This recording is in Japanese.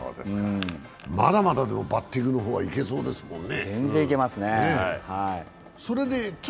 まだまだバッティングの方はいけそうですもんね。